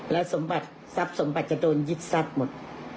แล้วสมบัติทรัพย์สมบัติจะโดนยึดทรัพย์หมด